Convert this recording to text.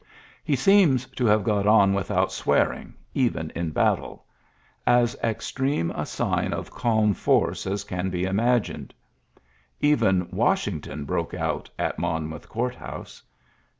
He seems to have got on without swearing, even in battle, — as extreme a sign of calm force as can be imagined. Even Washington broke out at Monmouth Court house.